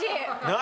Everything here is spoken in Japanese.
何？